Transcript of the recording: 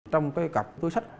trong cái cặp túi sách